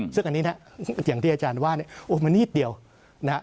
ซึ่งอันนี้นะอย่างที่อาจารย์ว่าเนี่ยโอ้มันนิดเดียวนะฮะ